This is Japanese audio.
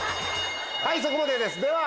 はいそこまでです。